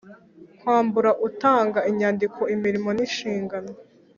kwambura utanga inyandiko imirimo n inshingano